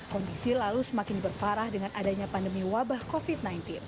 kondisi lalu semakin diperparah dengan adanya pandemi wabah covid sembilan belas